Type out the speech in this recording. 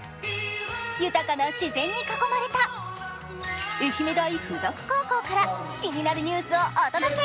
豊かな自然に囲まれた愛媛大附属高校から気になるニュースをお届け。